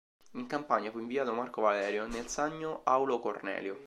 In Campania fu inviato Marco Valerio, nel Sannio Aulo Cornelio.